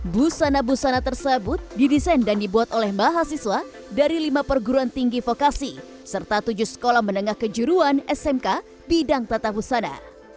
busana busana tersebut didesain dan dibuat oleh mahasiswa dari lima perguruan tinggi vokasi serta tujuh sekolah menengah kejuruan smk bidang tata busana